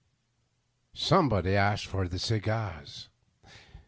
Somebody asked for the cigars.